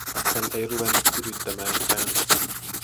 Hän ei ruvennut yrittämäänkään.